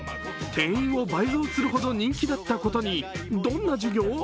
定員を倍増するほど人気だったことにどんな授業？